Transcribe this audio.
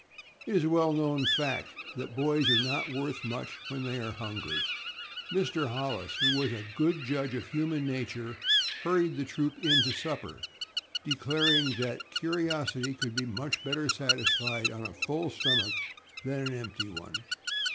It is a well known fact that boys are not worth much when they are hungry. Mr. Hollis, who was a good judge of human nature, hurried the troop into supper, declaring that curiosity could be much better satisfied on a full stomach than an empty one.